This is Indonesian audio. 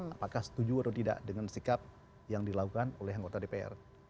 apakah setuju atau tidak dengan sikap yang dilakukan oleh anggota dpr